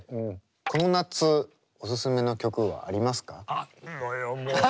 この夏オススメの曲はありますか？